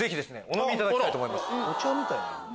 お茶みたいな。